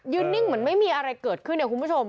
นิ่งเหมือนไม่มีอะไรเกิดขึ้นเนี่ยคุณผู้ชม